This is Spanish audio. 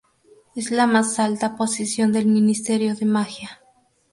Es la más alta posición del Ministerio de Magia.